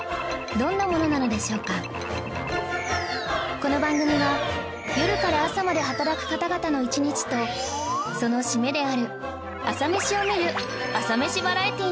この番組は夜から朝まで働く方々の一日とその締めである朝メシを見る朝メシバラエティーなのです